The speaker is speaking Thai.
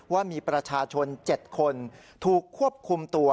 ว่ามีประชาชน๗คนถูกควบคุมตัว